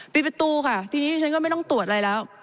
ปิดประตูค่ะทีนี้ฉันก็ไม่ต้องตรวจอะไรแล้ว